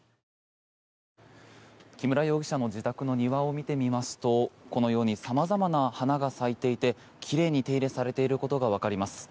木村容疑者の自宅の庭を見てみますとこのように様々な花が咲いていて奇麗に手入れされていることがわかります。